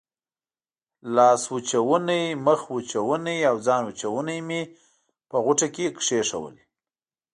لاسوچونې، مخوچونې او ځانوچونی مې په غوټه کې کېښودل.